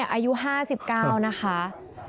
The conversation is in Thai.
อายุ๕๙นะคะ